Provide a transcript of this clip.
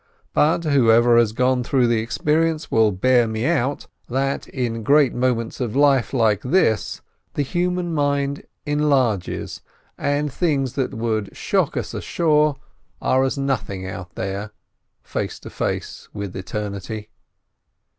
But, whoever has gone through the experience will bear me out that in great moments of life like this the human mind enlarges, and things that would shock us ashore are as nothing out there, face to face with eternity.